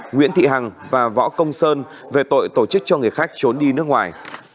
nguyễn thị hằng và võ công sơn về tội tổ chức cho người khách trốn đi nước ngoài